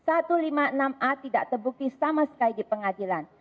satu ratus lima puluh enam a tidak terbukti sama sekali di pengadilan